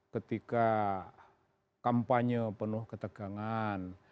ketika kampanye penuh ketegangan